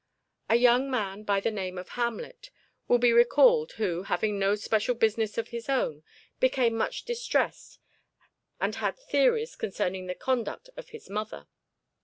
A young man by the name of Hamlet will be recalled who, having no special business of his own, became much distressed and had theories concerning the conduct of his mother.